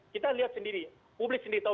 kita lihat sendiri publik sendiri tahu